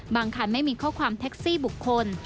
คันไม่มีข้อความแท็กซี่บุคคล